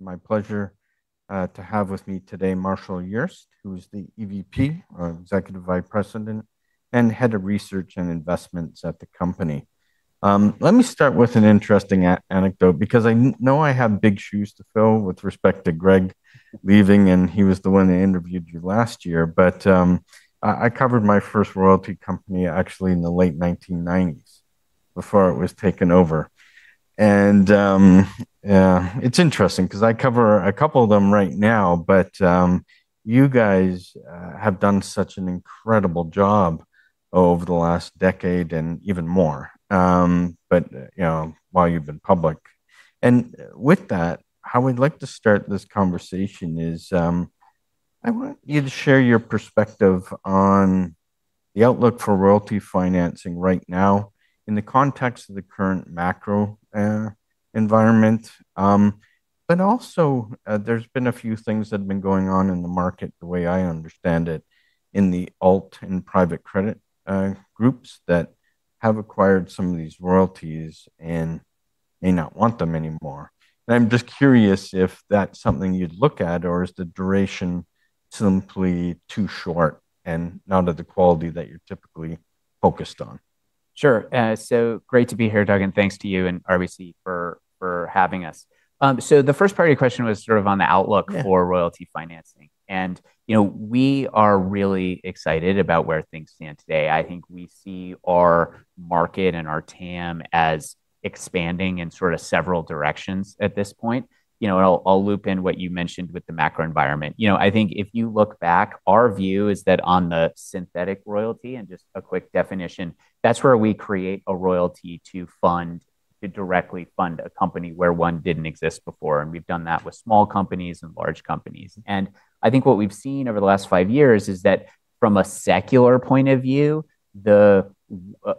It's my pleasure to have with me today Marshall Urist, who is the EVP, or Executive Vice President, and Head of Research & Investments at the company. Let me start with an interesting anecdote, because I know I have big shoes to fill with respect to Greg leaving. He was the one that interviewed you last year. I covered my first royalty company actually in the late 1990s before it was taken over. It's interesting 'cause I cover a couple of them right now. You guys have done such an incredible job over the last decade and even more, you know, while you've been public. With that, how I'd like to start this conversation is, I want you to share your perspective on the outlook for royalty financing right now in the context of the current macro environment. Also, there's been a few things that have been going on in the market, the way I understand it, in the alt and private credit groups that have acquired some of these royalties and may not want them anymore. I'm just curious if that's something you'd look at, or is the duration simply too short and not of the quality that you're typically focused on? Sure. great to be here, Doug, and thanks to you and RBC for having us. The first part of your question was sort of on the outlook Yeah. For royalty financing. You know, we are really excited about where things stand today. I think we see our market and our TAM as expanding in sort of several directions at this point. You know, I'll loop in what you mentioned with the macro environment. You know, I think if you look back, our view is that on the synthetic royalty, and just a quick definition, that's where we create a royalty to directly fund a company where one didn't exist before, and we've done that with small companies and large companies. I think what we've seen over the last five years is that from a secular point of view, our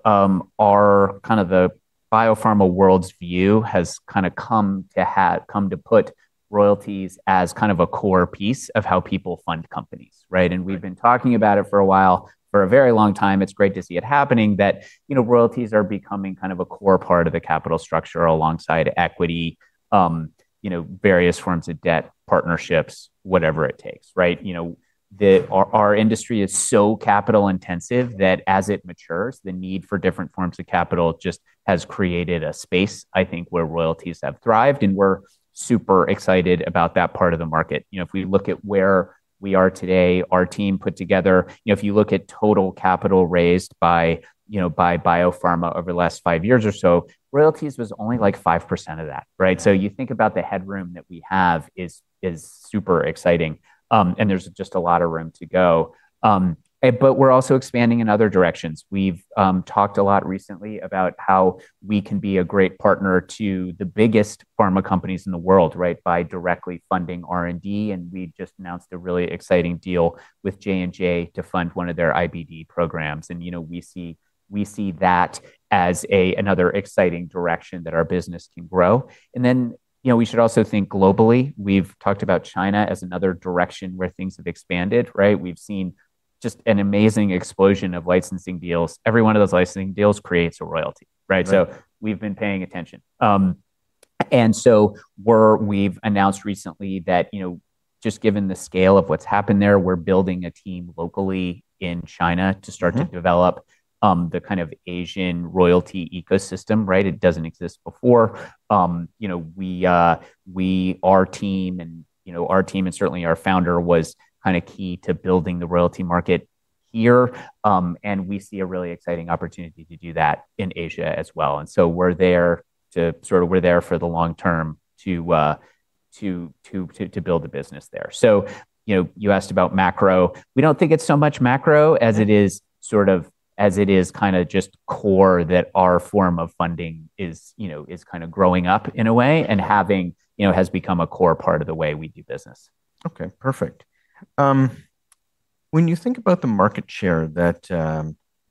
kind of the biopharma world's view has kinda come to put royalties as kind of a core piece of how people fund companies, right? Right. We've been talking about it for a while, for a very long time. It's great to see it happening that, you know, royalties are becoming kind of a core part of the capital structure alongside equity, you know, various forms of debt, partnerships, whatever it takes, right? You know, our industry is so capital intensive that as it matures, the need for different forms of capital just has created a space, I think, where royalties have thrived, and we're super excited about that part of the market. You know, if we look at where we are today, our team put together You know, if you look at total capital raised by, you know, by biopharma over the last five years or so, royalties was only like 5% of that, right? You think about the headroom that we have is super exciting. There's just a lot of room to go. We're also expanding in other directions. We've talked a lot recently about how we can be a great partner to the biggest pharma companies in the world, right, by directly funding R&D, and we just announced a really exciting deal with J&J to fund one of their IBD programs. You know, we see that as another exciting direction that our business can grow. You know, we should also think globally. We've talked about China as another direction where things have expanded, right? We've seen just an amazing explosion of licensing deals. Every one of those licensing deals creates a royalty, right? Right. We've been paying attention. We've announced recently that, you know, just given the scale of what's happened there, we're building a team locally in China.To develop the kind of Asian royalty ecosystem, right? It doesn't exist before. you know, we, our team and, you know, our team and certainly our founder was kinda key to building the royalty market here. We see a really exciting opportunity to do that in Asia as well. We're there for the long term to build a business there. You know, you asked about macro. We don't think it's so much macro as it is. Sort of, as it is kinda just core that our form of funding is, you know, is kinda growing up in a way and having, you know, has become a core part of the way we do business. Okay. Perfect. When you think about the market share that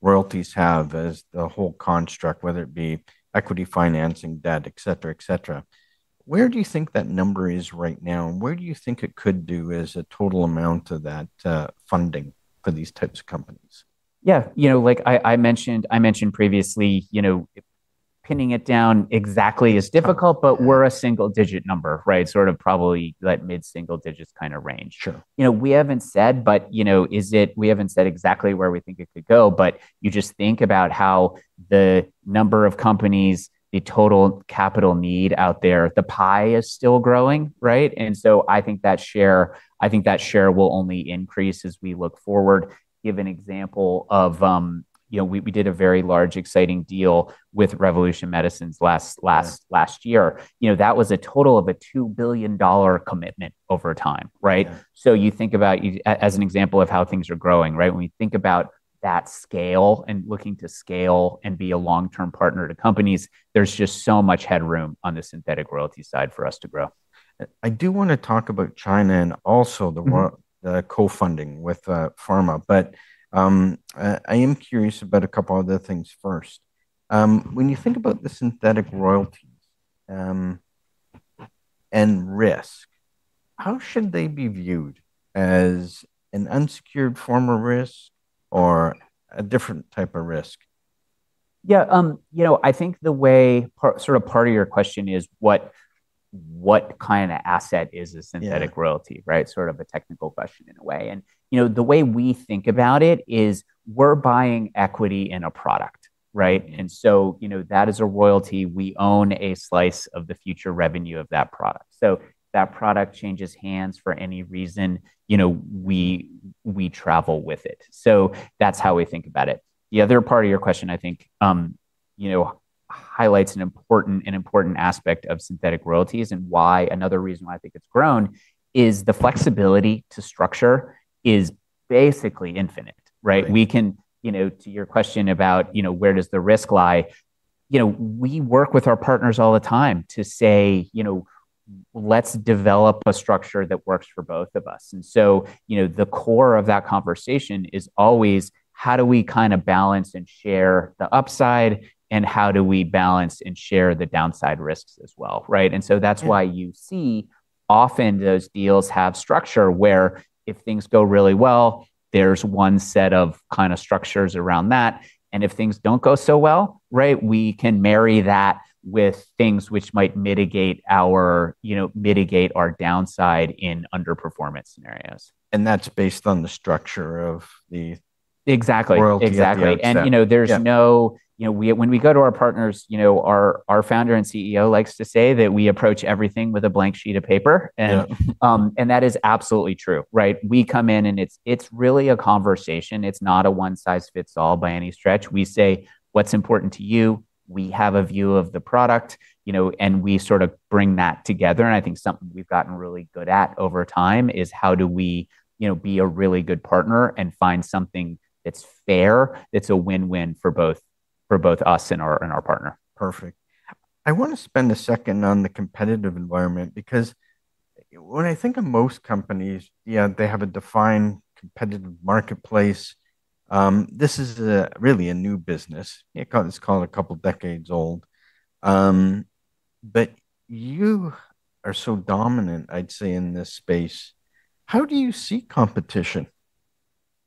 royalties have as the whole construct, whether it be equity financing, debt, et cetera, et cetera, where do you think that number is right now, and where do you think it could do as a total amount of that funding for these types of companies? Yeah. You know, like I mentioned previously, you know, pinning it down exactly is difficult. Yeah. We're a single-digit number, right? Sort of probably that mid single-digits kinda range. Sure. We haven't said exactly where we think it could go. You just think about how the number of companies, the total capital need out there, the pie is still growing, right? I think that share will only increase as we look forward. Give an example of, you know, we did a very large exciting deal with Revolution Medicines last year. You know, that was a total of a $2 billion commitment over time, right? Yeah. You think about, you, as an example of how things are growing, right? When we think about that scale and looking to scale and be a long-term partner to companies, there's just so much headroom on the synthetic royalty side for us to grow. I do wanna talk about China and the co-funding with pharma, but I am curious about a couple other things first. When you think about the synthetic royalties, and risk, how should they be viewed? As an unsecured form of risk or a different type of risk? Yeah, you know, I think the way part of your question is what kind of asset is a synthetic- Yeah. Royalty, right? Sort of a technical question in a way. You know, the way we think about it is we're buying equity in a product, right? You know, that is a royalty. We own a slice of the future revenue of that product. If that product changes hands for any reason, you know, we travel with it. That's how we think about it. The other part of your question, I think, you know, highlights an important aspect of synthetic royalties and why, another reason why I think it's grown, is the flexibility to structure is basically infinite, right? Right. We can, you know, to your question about, you know, where does the risk lie, you know, we work with our partners all the time to say, you know, let's develop a structure that works for both of us. The core of that conversation is always how do we kind of balance and share the upside, and how do we balance and share the downside risks as well, right? That's- Yeah. Why you see often those deals have structure where if things go really well, there's one set of kind of structures around that, and if things don't go so well, right, we can marry that with things which might mitigate our, you know, mitigate our downside in underperformance scenarios. That's based on the structure of- Exactly Royalty at the outset. Exactly. You know. Yeah. There's no, you know, we, when we go to our partners, you know, our Founder and CEO likes to say that we approach everything with a blank sheet of paper. Yeah. That is absolutely true, right? We come in and it's really a conversation. It's not a one size fits all by any stretch. We say, what's important to you? We have a view of the product, you know, and we sort of bring that together, and I think something we've gotten really good at over time is how do we, you know, be a really good partner and find something that's fair, that's a win-win for both us and our partner. Perfect. I wanna spend a second on the competitive environment because when I think of most companies, yeah, they have a defined competitive marketplace. This is a really a new business. You could call it a couple decades old. You are so dominant, I'd say, in this space. How do you see competition?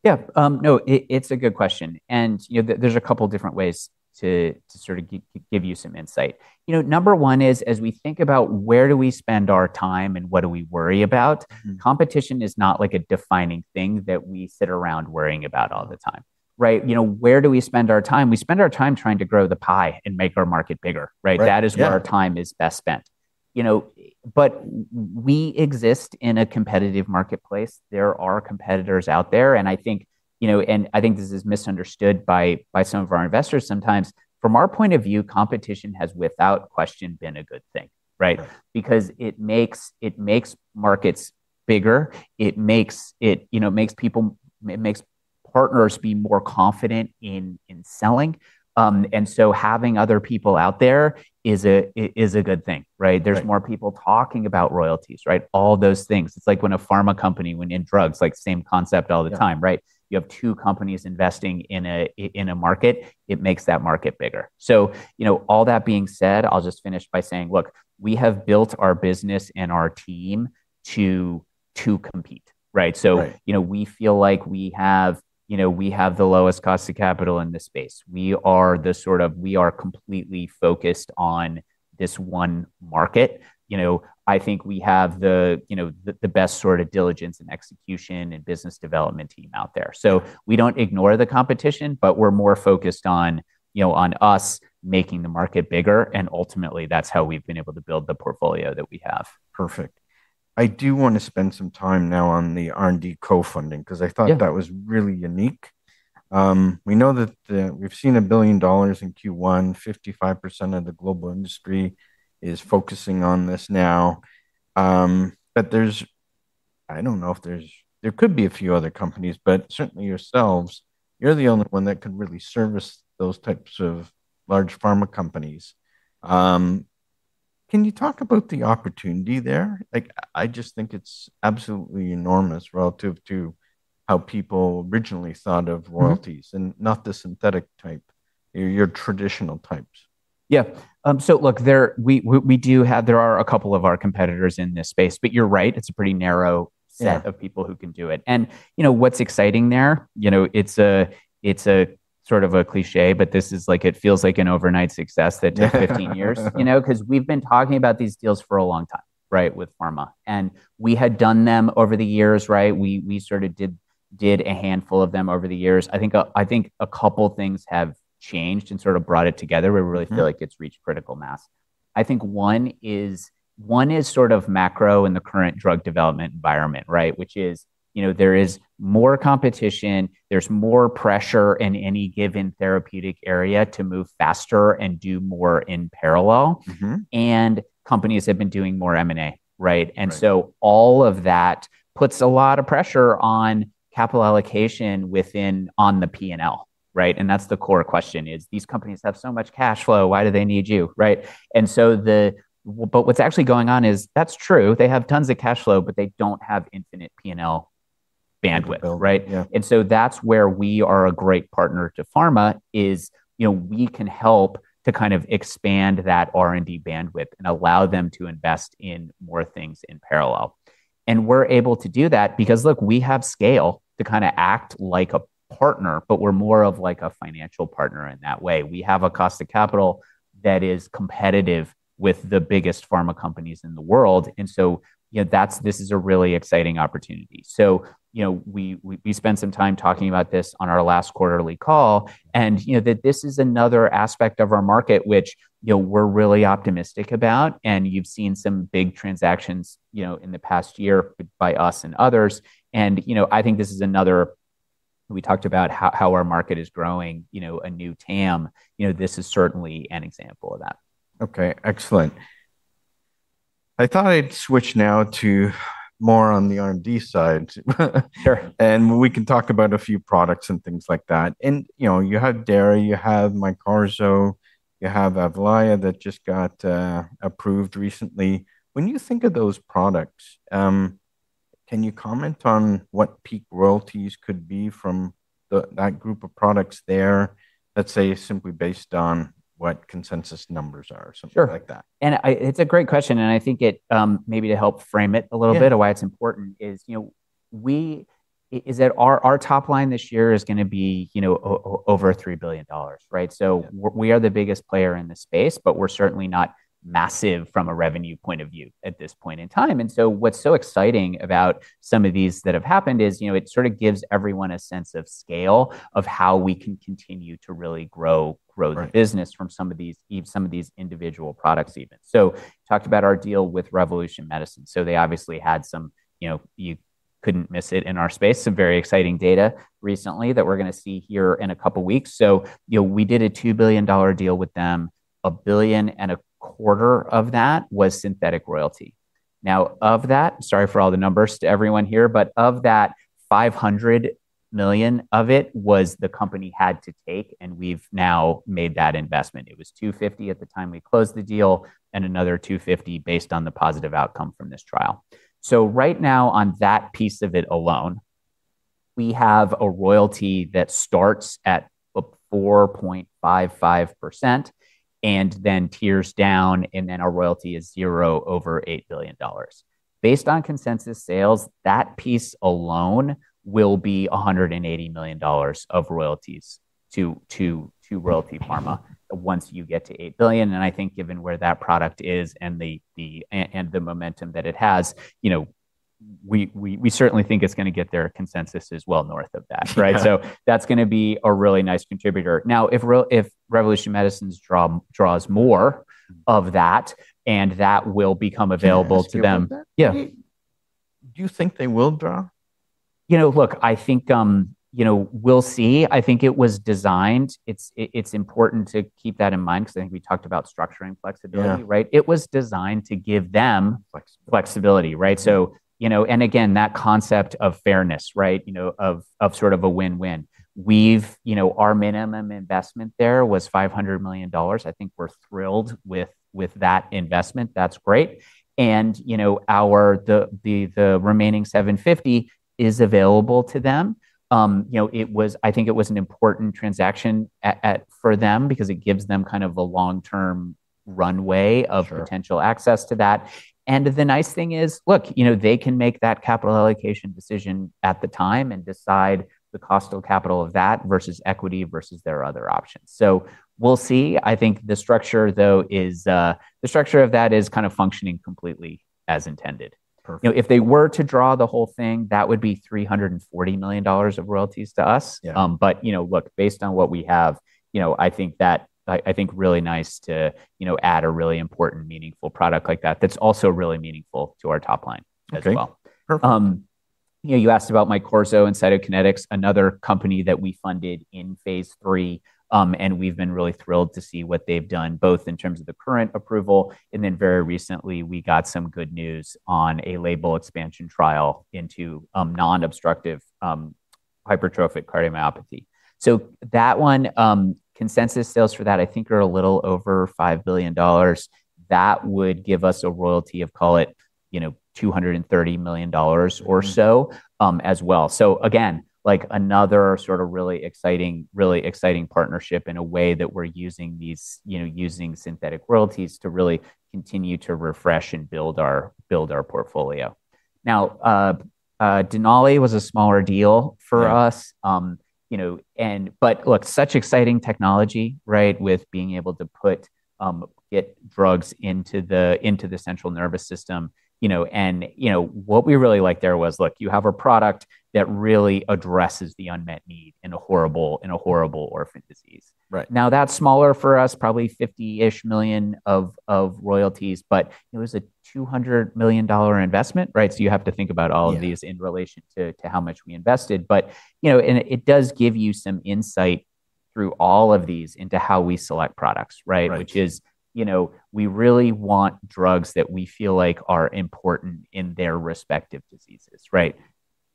Yeah. No, it's a good question. You know, there's a couple different ways to sort of give you some insight. You know, number one is as we think about where do we spend our time and what do we worry about, competition is not like a defining thing that we sit around worrying about all the time, right? You know, where do we spend our time? We spend our time trying to grow the pie and make our market bigger, right? Right. Yeah. That is where our time is best spent. You know, we exist in a competitive marketplace. There are competitors out there, and I think, you know, and I think this is misunderstood by some of our investors sometimes. From our point of view, competition has without question been a good thing, right? Sure. It makes markets bigger. It makes partners be more confident in selling. Having other people out there is a good thing, right? Right. There's more people talking about royalties, right? All those things. It's like when in drugs, like same concept all the time- Yeah. Right? You have two companies investing in a in a market, it makes that market bigger. You know, all that being said, I'll just finish by saying, look, we have built our business and our team to compete, right? Right. You know, we feel like we have, you know, we have the lowest cost of capital in this space. We are the sort of, we are completely focused on this one market. You know, I think we have the, you know, the best sort of diligence and execution and business development team out there. We don't ignore the competition, but we're more focused on, you know, on us making the market bigger, and ultimately that's how we've been able to build the portfolio that we have. Perfect. I do wanna spend some time now on the R&D co-funding. Yeah. Cause I thought that was really unique. We've seen $1 billion in Q1, 55% of the global industry is focusing on this now. There could be a few other companies, but certainly yourselves, you're the only one that can really service those types of large pharma companies. Can you talk about the opportunity there? Like I just think it's absolutely enormous relative to how people originally thought of royalties, not the synthetic type, your traditional types. Yeah. Look, there, we do have, there are a couple of our competitors in this space, but you're right, it's a pretty narrow set. Yeah. Of people who can do it. You know, what's exciting there, you know, it's a sort of a cliche, but this is like, it feels like an overnight success that took 15 years, you know, 'cause we've been talking about these deals for a long time, right, with pharma. We had done them over the years, right? We sort of did a handful of them over the years. I think a couple things have changed and sort of brought it together.where we really feel like it's reached critical mass. I think one is sort of macro in the current drug development environment, right? You know, there is more competition, there's more pressure in any given therapeutic area to move faster and do more in parallel. Companies have been doing more M&A, right? Right. All of that puts a lot of pressure on capital allocation within, on the P&L, right? That's the core question is these companies have so much cash flow, why do they need you, right? What's actually going on is that's true, they have tons of cash flow, but they don't have infinite P&L bandwidth. Bandwidth, yeah. Right? That's where we are a great partner to pharma is, you know, we can help to kind of expand that R&D bandwidth and allow them to invest in more things in parallel. We're able to do that because, look, we have scale to kind of act like a partner, but we're more of like a financial partner in that way. We have a cost of capital that is competitive with the biggest pharma companies in the world. You know, this is a really exciting opportunity. You know, we spent some time talking about this on our last quarterly call and, you know, that this is another aspect of our market which, you know, we're really optimistic about, and you've seen some big transactions, you know, in the past year by us and others. You know, I think this is another we talked about how our market is growing, you know, a new TAM. You know, this is certainly an example of that. Okay. Excellent. I thought I'd switch now to more on the R&D side. Sure. We can talk about a few products and things like that. You know, you have [dara], you have Myqorzo, you have Avlayah that just got approved recently. When you think of those products, can you comment on what peak royalties could be from that group of products there, let's say simply based on what consensus numbers are or something like that? Sure. It's a great question, and I think it, maybe to help frame it a little bit. Yeah. Of why it's important is, you know, is that our top line this year is gonna be, you know, over $3 billion, right? Yeah. We are the biggest player in the space, but we're certainly not massive from a revenue point of view at this point in time. What's so exciting about some of these that have happened is, you know, it sort of gives everyone a sense of scale of how we can continue to really grow. Right. The business from some of these individual products even. Talked about our deal with Revolution Medicines. They obviously had some, you know, you couldn't miss it in our space, some very exciting data recently that we're gonna see here in a couple weeks. You know, we did a $2 billion deal with them. A billion and a quarter of that was synthetic royalty. Of that, sorry for all the numbers to everyone here, of that, $500 million of it was the company had to take, and we've now made that investment. It was $250 at the time we closed the deal, and another $250 based on the positive outcome from this trial. Right now, on that piece of it alone, we have a royalty that starts at a 4.55% and then tiers down, and then our royalty is zero over $8 billion. Based on consensus sales, that piece alone will be $180 million of royalties to Royalty Pharma once you get to $8 billion. I think given where that product is and the momentum that it has, you know, we certainly think it's gonna get there. Consensus is well north of that, right? Yeah. That's gonna be a really nice contributor. Now, if Revolution Medicines draws more of that, and that will become available to them. Do you have a deal with them? Yeah. Do you think they will draw? You know, look, I think, you know, we'll see. I think it was designed, it's important to keep that in mind because I think we talked about structuring flexibility, right? Yeah. It was designed to give them Flexibility. Flexibility, right? You know, again, that concept of fairness, right, you know, of sort of a win-win. We've, you know, our minimum investment there was $500 million. I think we're thrilled with that investment. That's great. You know, our the remaining $750 is available to them. You know, it was, I think it was an important transaction for them because it gives them kind of a long-term runway of- Sure. Potential access to that. The nice thing is, look, you know, they can make that capital allocation decision at the time and decide the cost of capital of that versus equity versus their other options. We'll see. I think the structure though is, the structure of that is kind of functioning completely as intended. Perfect. You know, if they were to draw the whole thing, that would be $340 million of royalties to us. Yeah. You know, look, based on what we have, you know, I think that, I think really nice to, you know, add a really important, meaningful product like that that's also really meaningful to our top line as well. Okay. Perfect. You know, you asked about Myqorzo and Cytokinetics, another company that we funded in phase III, and we've been really thrilled to see what they've done, both in terms of the current approval, and then very recently, we got some good news on a label expansion trial into non-obstructive hypertrophic cardiomyopathy. That one, consensus sales for that I think are a little over $5 billion. That would give us a royalty of, call it, you know, $230 million or so, as well. Again, like another sort of really exciting partnership in a way that we're using these, you know, using synthetic royalties to really continue to refresh and build our portfolio. Now, Denali was a smaller deal for us. Yeah. You know, but look, such exciting technology, right, with being able to put, get drugs into the central nervous system, you know. You know, what we really liked there was, look, you have a product that really addresses the unmet need in a horrible orphan disease. Right. Now, that's smaller for us, probably $50-ish million of royalties, but it was a $200 million investment, right? Yeah. In relation to how much we invested. You know, and it does give you some insight through all of these into how we select products, right? Right. Which is, you know, we really want drugs that we feel like are important in their respective diseases, right?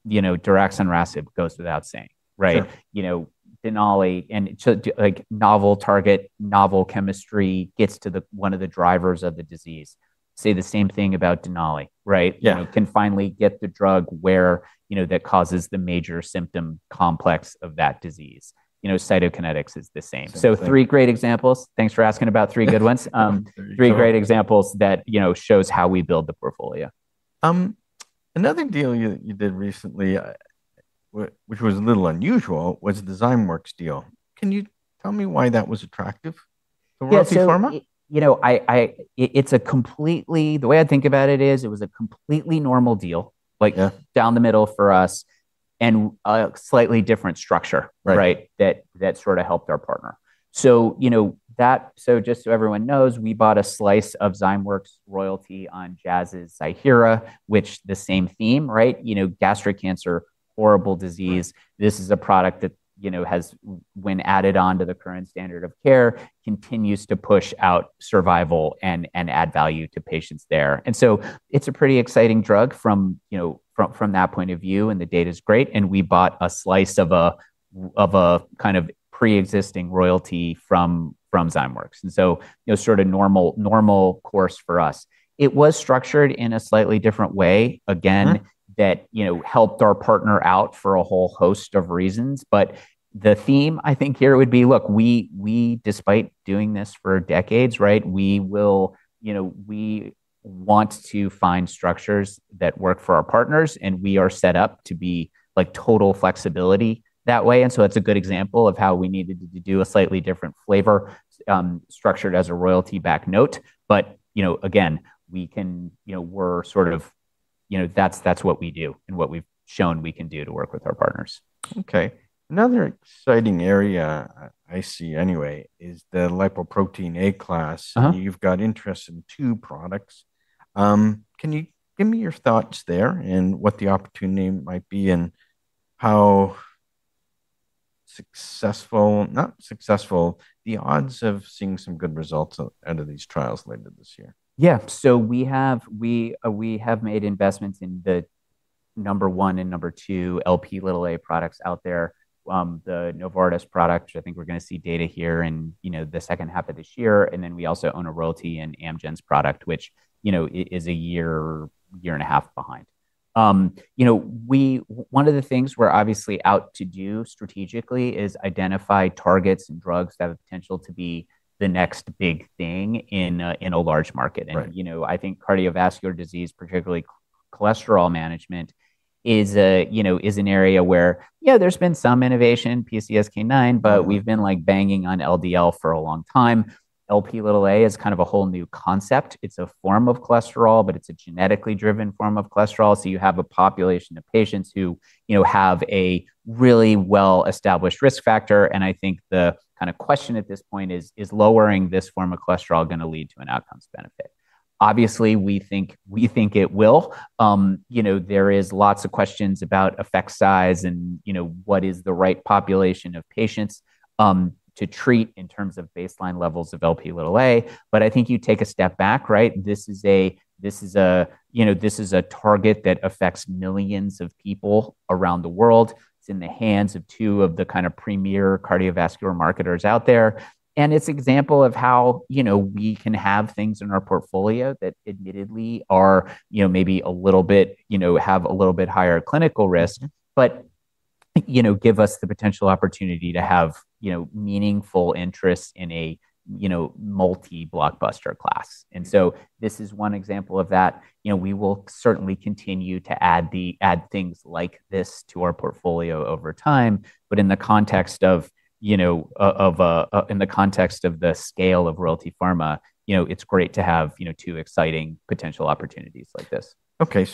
You know, daraxonrasib goes without saying, right? Sure. You know, Denali like novel target, novel chemistry gets to the one of the drivers of the disease. Say the same thing about Denali, right? Yeah. You know, can finally get the drug where, you know, that causes the major symptom complex of that disease. You know, Cytokinetics is the same. Same thing. Three great examples. Thanks for asking about three good ones. There you go. Three great examples that, you know, shows how we build the portfolio. Another deal you did recently, which was a little unusual, was the Zymeworks deal. Can you tell me why that was attractive to Royalty Pharma? Yeah, you know, The way I think about it is, it was a completely normal deal. Yeah. Down the middle for us, and a slightly different structure. Right Right? That sort of helped our partner. you know, just so everyone knows, we bought a slice of Zymeworks' royalty on Jazz's Ziihera, which the same theme, right? You know, gastric cancer, horrible disease. This is a product that, you know, has, when added on to the current standard of care, continues to push out survival and add value to patients there. it's a pretty exciting drug from, you know, from that point of view, and the data's great, we bought a slice of a kind of preexisting royalty from Zymeworks, you know, sort of normal course for us. It was structured in a slightly different way, again. That, you know, helped our partner out for a whole host of reasons. The theme, I think, here would be, look, we, despite doing this for decades, right, we will, you know, we want to find structures that work for our partners, and we are set up to be, like, total flexibility that way. That's a good example of how we needed to do a slightly different flavor, structured as a royalty-backed note. Again, we can, you know, we're sort of, you know, that's what we do and what we've shown we can do to work with our partners. Okay. Another exciting area, I see anyway, is the lipoprotein(a) class. You've got interest in two products. Can you give me your thoughts there, and what the opportunity might be, and how successful not successful, the odds of seeing some good results out of these trials later this year? Yeah. We have made investments in the number 1 and number 2 Lp(a) products out there. The Novartis product, which I think we're going to see data here in, you know, the second half of this year, and then we also own a royalty in Amgen's product, which, you know, is a year and a half behind. You know, one of the things we're obviously out to do strategically is identify targets and drugs that have potential to be the next big thing in a large market. Right. You know, I think cardiovascular disease, particularly cholesterol management, is a, you know, is an area where, yeah, there's been some innovation, PCSK9, yeah, we've been, like, banging on LDL for a long time. Lp(a) is kind of a whole new concept. It's a form of cholesterol, but it's a genetically driven form of cholesterol, so you have a population of patients who, you know, have a really well-established risk factor. I think the kind of question at this point is lowering this form of cholesterol going to lead to an outcomes benefit? Obviously we think it will. You know, there is lots of questions about effect size and, you know, what is the right population of patients to treat in terms of baseline levels of Lp(a). I think you take a step back, right? This is a, you know, this is a target that affects millions of people around the world, it's in the hands of two of the kinda premier cardiovascular marketers out there, and it's example of how, you know, we can have things in our portfolio that admittedly are, you know, maybe a little bit, you know, have a little bit higher clinical risk, but, you know, give us the potential opportunity to have, you know, meaningful interest in a, you know, multi-blockbuster class. This is one example of that. You know, we will certainly continue to add things like this to our portfolio over time, but in the context of, you know, in the context of the scale of Royalty Pharma, you know, it's great to have, you know, two exciting potential opportunities like this. Okay.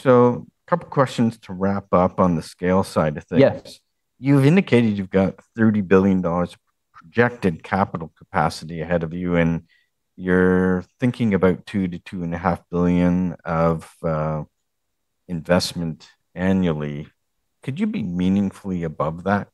Couple questions to wrap up on the scale side of things. Yes. You've indicated you've got $30 billion projected capital capacity ahead of you, and you're thinking about $2 billion-$2.5 billion of investment annually. Could you be meaningfully above that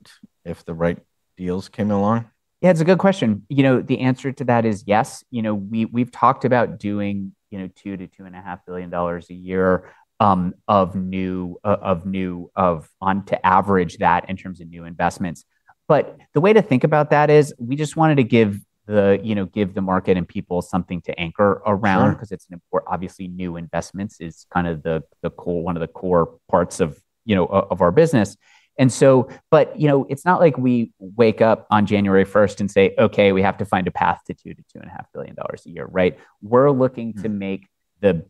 if the right deals came along? Yeah, it's a good question. You know, the answer to that is yes. You know, we've talked about doing, you know, $2 billion-$2.5 billion a year of new, on average that in terms of new investments. The way to think about that is, we just wanted to give the market and people something to anchor around. Sure. Because it's obviously new investments is kind of the core, one of the core parts of, you know, of our business. you know, it's not like we wake up on January 1st and say, okay, we have to find a path to $2 billion-$2.5 billion a year, right? We're looking to make the best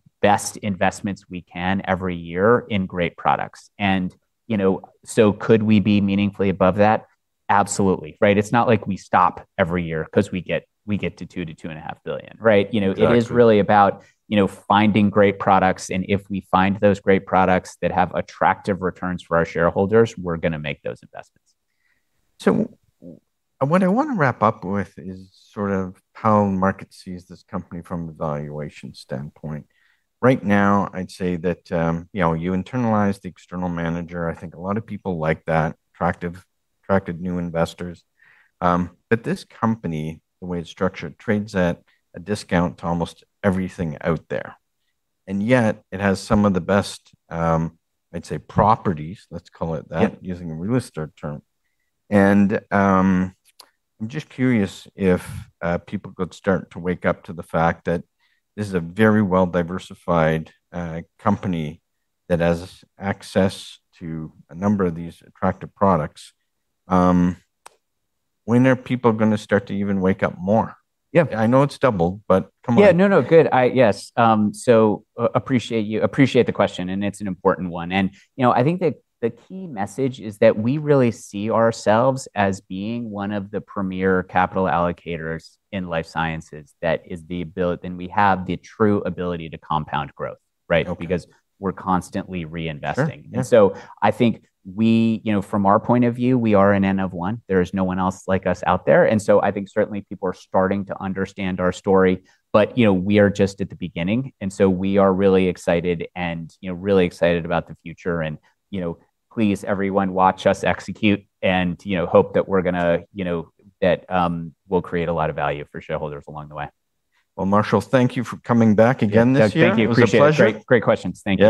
investments we can every year in great products. You know, so could we be meaningfully above that? Absolutely, right? It's not like we stop every year 'cause we get to $2 billion-$2.5 billion, right? Exactly. You know, it is really about, you know, finding great products, and if we find those great products that have attractive returns for our shareholders, we're gonna make those investments. What I wanna wrap up with is sort of how the market sees this company from a valuation standpoint. Right now I'd say that, you know, you internalize the external manager. I think a lot of people like that, attractive, attracted new investors. This company, the way it's structured, trades at a discount to almost everything out there, and yet it has some of the best, I'd say properties, let's call it that. Yep. Using a real estate term. I'm just curious if people could start to wake up to the fact that this is a very well-diversified company that has access to a number of these attractive products. When are people gonna start to even wake up more? Yeah. I know it's doubled, but come on. Yeah. No, no, good. I Yes. Appreciate you, appreciate the question, and it's an important one. You know, I think that the key message is that we really see ourselves as being one of the premier capital allocators in life sciences that is the and we have the true ability to compound growth, right? Okay. Because we're constantly reinvesting. Sure. Yeah. I think we, you know, from our point of view, we are an N of 1. There is no one else like us out there. I think certainly people are starting to understand our story, but, you know, we are just at the beginning, we are really excited and, you know, really excited about the future. You know, please, everyone, watch us execute and, you know, hope that we're gonna, you know, that we'll create a lot of value for shareholders along the way. Well, Marshall, thank you for coming back again this year. Yeah. Doug, thank you. Appreciate it. It was a pleasure. Great, great questions. Thank you.